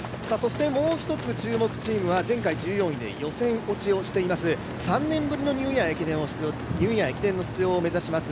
もう１つ注目チームは、前回１４位で予選落ちをしています、３年ぶりのニューイヤー駅伝の出場を目指します